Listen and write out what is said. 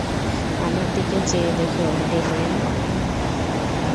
আমার দিকে চেয়ে দেখো, ডেমিয়েন!